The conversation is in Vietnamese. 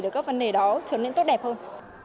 để các vấn đề đó trở nên tốt đẹp hơn